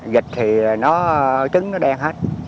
vịt thì nó trứng nó đen hết